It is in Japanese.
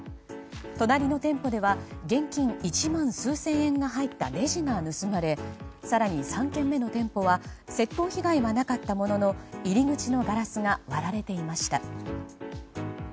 隣の店舗では現金１万数千円が入ったレジが盗まれ更に３軒目の店舗は窃盗被害はなかったものの入り口のガラスが割られていました。